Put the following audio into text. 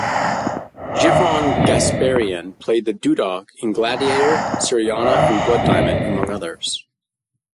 Djivan Gasparyan played the duduk in "Gladiator", "Syriana", and "Blood Diamond", among others.